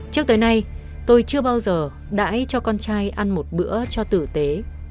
trước tới nay tôi chưa bao giờ đãi cho con trai ăn một bữa cho tử tế